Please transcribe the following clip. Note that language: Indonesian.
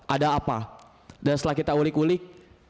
ada apa dan setelah kita ulik ulik